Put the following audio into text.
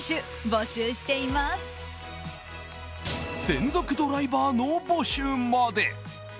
専属ドライバーの募集まで。